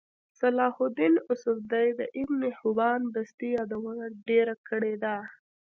صلاحالدیناصفدی دابنحبانبستيیادونهډیره کړیده